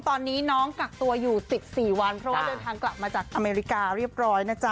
ตอนนี้น้องกักตัวอยู่๑๔วันเพราะว่าเดินทางกลับมาจากอเมริกาเรียบร้อยนะจ๊ะ